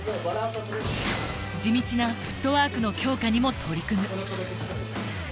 地道なフットワークの強化にも取り組む。